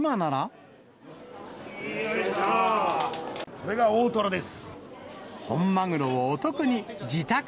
これが大トロです。